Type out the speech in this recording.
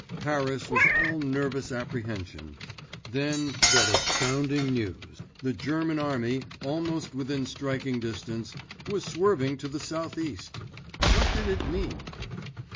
Paris was all nervous apprehension. Then that astounding news—the German army, almost within striking distance, was swerving to the southeast! What did it mean?